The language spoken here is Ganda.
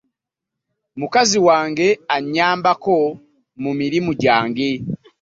Mukazi wange annyambako mu mirimu gyange.